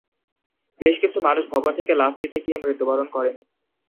বেশ কিছু মানুষ ভবন থেকে লাফ দিতে গিয়ে মৃত্যুবরণ করেন।